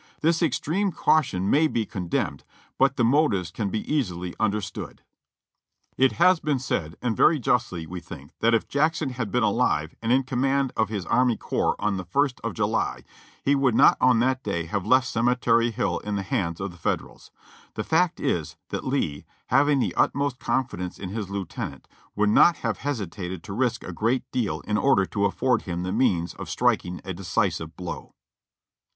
This extreme caution may be condemned, but the motives can be easily understood." (Comte de Paris's Battle of Gettysburg, pp. 123, 124, 125.) "It has been said, and very justly, we think, that if Jackson had been alive and in command of his army corps on the ist of July, he would not on that day have left Cemetery Hill in the hands of the Federals. The fact is, that Lee, having the utmost confi dence in his lieutenant, would not have hesitated to risk a great deal in order to afiford him the means of striking a decisive blow."